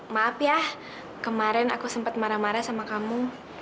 maaf ya kemarin aku sempat marah marah sama kamu